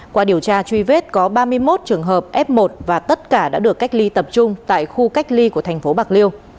qua điều tra truy vết có ba mươi một trường hợp f một và tất cả đã được cách ly tập trung tại khu cách ly của thành phố bạc liêu